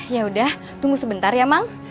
yaudah tunggu sebentar ya mak